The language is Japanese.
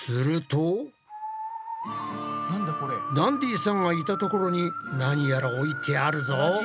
ダンディさんがいたところに何やら置いてあるぞ。